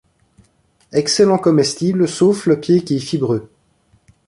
Excellent comestible, sauf le pied qui est fibreux.